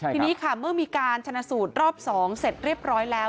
ทีนี้ค่ะเมื่อมีการชนะสูตรรอบ๒เสร็จเรียบร้อยแล้ว